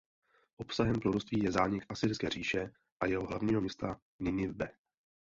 Obsahem proroctví je zánik Asyrské říše a jeho hlavního města Ninive.